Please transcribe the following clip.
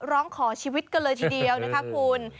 ร้องขอชีวิตกันเลยทีเดียวนะคะคุณ